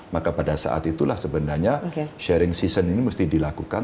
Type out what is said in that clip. maka pada saat itulah sebenarnya sharing season ini mesti dilakukan